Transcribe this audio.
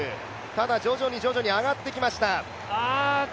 ただ徐々に徐々に上がってきました。